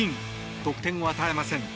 得点を与えません。